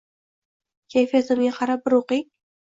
Kayfiyatimga qarab bir o’qing.